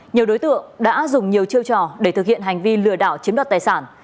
nhiều đối tượng đã dùng nhiều chiêu trò để thực hiện hành vi lừa đảo chiếm đoạt tài sản